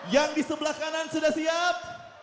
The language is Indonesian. yang di sebelah kanan sudah siap